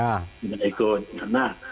nah kalau menurut saya